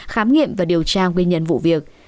khám nghiệm và điều tra nguyên nhân vụ việc